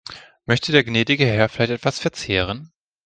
Möchte der gnädige Herr vielleicht etwas verzehren?